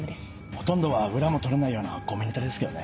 ほとんどは裏も取れないようなゴミネタですけどね。